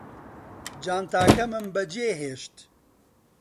جانتاکەمم بەجێهێشت